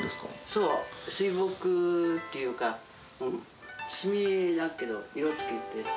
そう、水墨っていうか、墨絵だけど、色付けて。